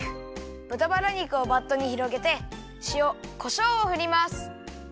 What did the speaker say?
ぶたバラ肉をバットにひろげてしおこしょうをふります。